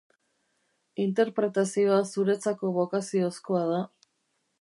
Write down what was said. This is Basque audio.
Interpretazioa zuretzako bokaziozkoa da.